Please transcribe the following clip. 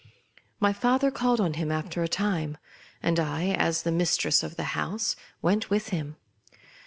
My father called on him after a time ; and I, as the mistress of the house, went with him.